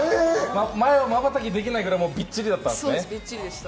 前はまばたきできないぐらい、みっちりだったのね。